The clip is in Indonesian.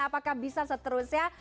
apakah bisa seterusnya